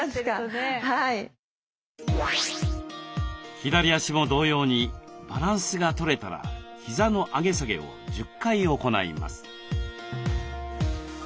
左足も同様にバランスがとれたら膝の上げ下げを１０回行います。